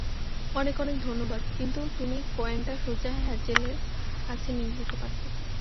অনেক অনেক ধন্যবাদ, কিন্তু তুমি কয়েনটা সোজা হ্যাজেলের কাছে নিয়ে যেতে পারতে।